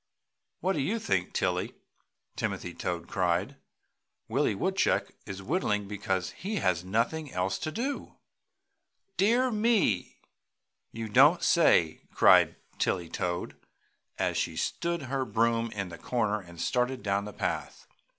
"What do you think, Tilly?" Timothy Toad cried, "Willie Woodchuck is, whittling because he has nothing else to do!" "Dear me! You don't say so!" cried Tilly Toad, as she stood her broom in the corner and started down the path.